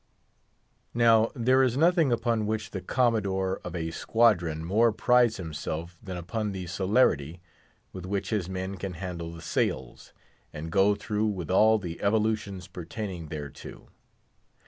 Now, there is nothing upon which the Commodore of a squadron more prides himself than upon the celerity with which his men can handle the sails, and go through with all the evolutions pertaining thereto.